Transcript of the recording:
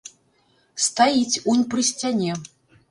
Стаіць, унь пры сцяне.